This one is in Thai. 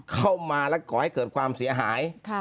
เข้ามาแล้วก่อให้เกิดความเสียหาย